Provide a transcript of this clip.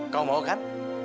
kamu mau kan